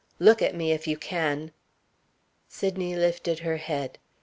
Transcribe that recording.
Look at me, if you can." Sydney lifted her head.